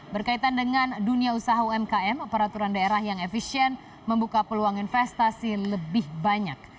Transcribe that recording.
berkaitan dengan dunia usaha umkm peraturan daerah yang efisien membuka peluang investasi lebih banyak